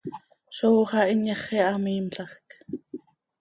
Zó xah inyaxii hamiimlajc.